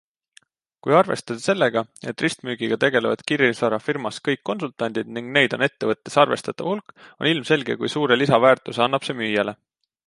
Kui arvestada sellega, et ristmüügiga tegelevad kinnisvara firmas kõik konsultandid ning neid on ettevõttes arvestatav hulk, on ilmselge kui suure lisaväärtuse annab see müüjale.